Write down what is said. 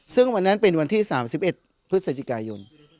ซึ่งวันนั้นเป็นวันที่๓๑พฤศจิกายน